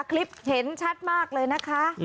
คลิปเห็นชัดมากเลยนะคะ